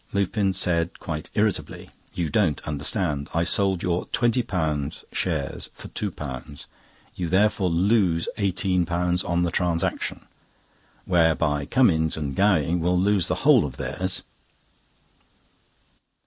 Lupin said, quite irritably: "You don't understand. I sold your £20 shares for £2; you therefore lose £18 on the transaction, whereby Cummings and Gowing will lose the whole of theirs."